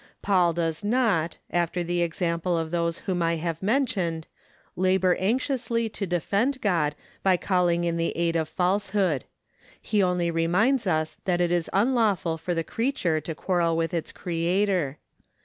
Paul does not, after the example of those whom I have mentioned, labor anxiously to defend God by calling in the aid of falsehood; he only reminds us that it is unlawful for the creature to quarrel with its Creator.